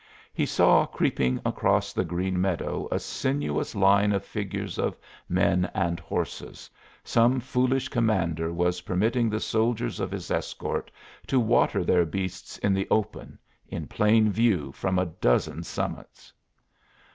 He saw creeping across the green meadow a sinuous line of figures of men and horses some foolish commander was permitting the soldiers of his escort to water their beasts in the open, in plain view from a dozen summits!